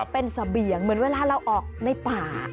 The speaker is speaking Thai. เป็นเสบียงเหมือนเวลาเราออกในป่า